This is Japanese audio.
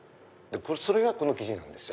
それがこの生地なんですよ。